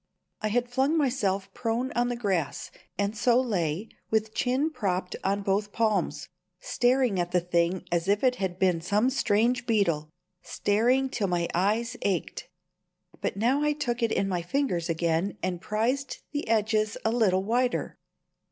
I had flung myself prone on the grass, and so lay, with chin propped on both palms, staring at the thing as if it had been some strange beetle staring till my eyes ached. But now I took it in my fingers again and prised the edges a little wider.